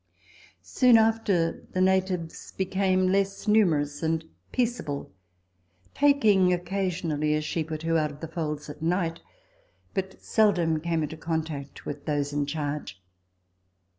Soon after the natives became less numerous, and peaceable, taking occasionally a sheep Letters from Victorian Pioneers. 1C 7 or two out of the folds at night, but seldom came into contact with those in charge.